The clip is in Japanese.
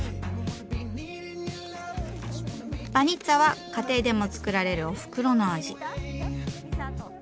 バニッツァは家庭でも作られるおふくろの味。